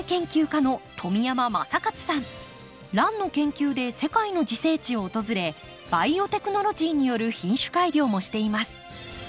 ランの研究で世界の自生地を訪れバイオテクノロジーによる品種改良もしています。